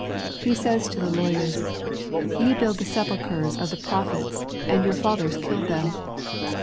He says to the lawyers, " Ye build the sepulchres of the prophets, and your fathers killed them."